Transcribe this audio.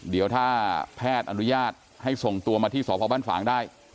เดี๋ยวถ้าแพทย์อนุญาตให้ส่งตัวมาที่สพบ้านฝางได้